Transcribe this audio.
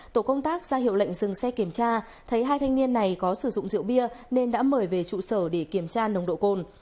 tổ công tác ra hiệu lệnh dừng xe kiểm tra thấy hai thanh niên này có sử dụng rượu bia nên đã mời về trụ sở để kiểm tra nồng độ cồn